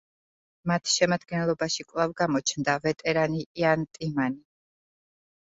მათ შემადგენლობაში კვლავ გამოჩნდა ვეტერანი იან ტიმანი.